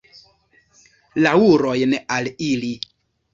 Laŭrojn al ili!